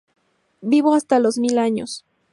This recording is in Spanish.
Vivió hasta los mil años.